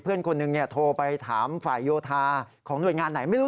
เพื่อนคนหนึ่งโทรไปถามฝ่ายโยธาของหน่วยงานไหนไม่รู้